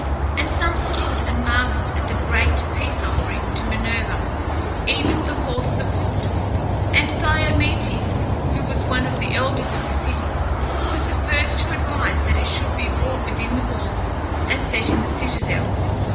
And some stood and marveled at the great peace offering to Minerva, even the horse of wood. And Thymœtes, who was one of the elders of the city, was the first who advised that it should be brought within the walls and set in the citadel.